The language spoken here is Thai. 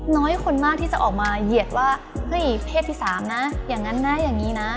น้อยคนมากที่จะออกมาเหยียดว่าเฮ้ยเพศที่๓นะอย่างนั้นนะอย่างนี้นะ